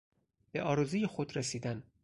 به آرزوی خود رسیدن